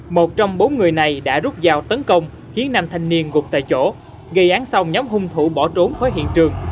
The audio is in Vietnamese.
một trong bốn người này đã rút dao tấn công khiến nam thanh niên gục tại chỗ gây án xong nhóm hung thủ bỏ trốn khỏi hiện trường